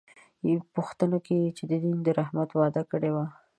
پوښتنه کېږي چې دین د رحمت وعده کړې وه.